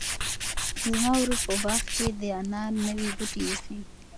زما ورور په خپل باغ کې د انار نوي بوټي ایښي.